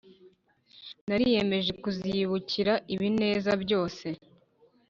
nariyemeje kuzibukira ibinezeza byose